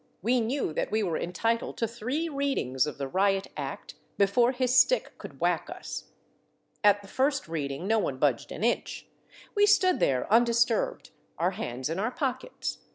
We knew that we were en titled to three readings of the Riot Act before his stick could whack us. At the first reading no one budged an inch. We stood there undisturbed, our hands in our pockets.